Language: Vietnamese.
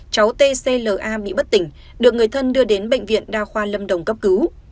cháu t c l a bị bất tỉnh được người thân đưa đến bệnh viện đa khoa lâm đồng cấp cứu